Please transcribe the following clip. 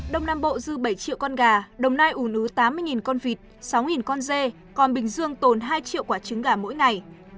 đông nam bộ dư bảy triệu con gà đồng nai ủ nứ tám mươi con vịt sáu con dê còn bình dương tồn hai triệu quả trứng gà mỗi ngày